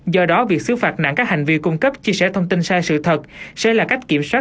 do đó việc xứ phạt nặng các hành vi cung cấp chia sẻ thông tin sai sự thật sẽ là cách kiểm soát